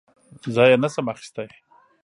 زه یې نه شم اخیستی .